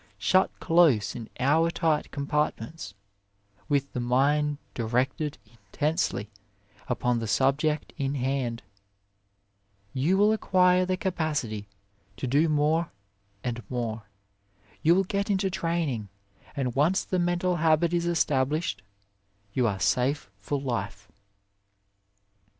Shut close in hour tight com partments, with the mind direct ed intensely upon the subject in hand, you will acquire the 48 OF LIFE capacity to do more and more, you will get into training; and once the mental habit is estab lished, you are safe for life.